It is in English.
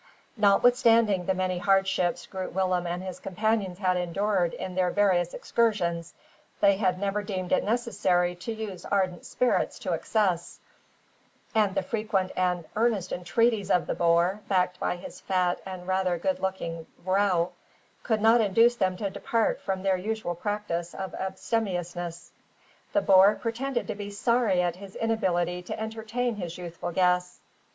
Notwithstanding the many hardships Groot Willem and his companions had endured in their various excursions, they had never deemed it necessary to use ardent spirits to excess; and the frequent and earnest entreaties of the boer, backed by his fat and rather good looking "vrow," could not induce them to depart from their usual practice of abstemiousness. The boer pretended to be sorry at his inability to entertain his youthful guests.